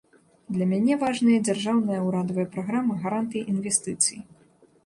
Для мяне важная дзяржаўная ўрадавая праграма гарантый інвестыцый.